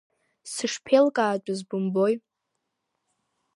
Сышԥеилкаатәыз, бымбои?